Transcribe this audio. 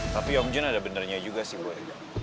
tapi om jun ada benernya juga sih boy